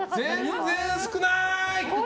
全然少ない！